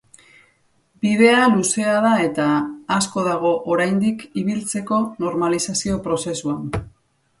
Bidea luzea da eta, asko dago oraindik ibiltzeko normalizazio prozesuan.